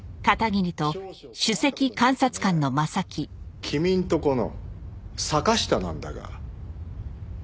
君のとこの坂下なんだが。